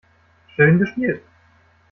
Schön gespielt.